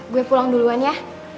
gue pulang duluan ya